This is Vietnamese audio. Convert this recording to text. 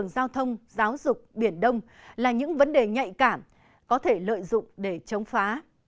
giáo dục biển đông là những vấn đề nhạy cảm có thể lợi dụng để chống phá